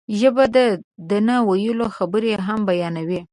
ژبه د نه ویلو خبرې هم بیانوي